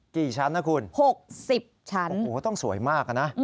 กี่ชั้นนะคุณ๖๐ชั้นโอ้โหต้องสวยมากนะ